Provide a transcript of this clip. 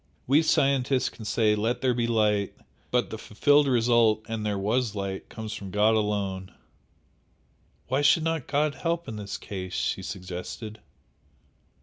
We scientists can say 'Let there be light,' but the fulfilled result 'and there was light' comes from God alone!" "Why should not God help in this case?" she suggested.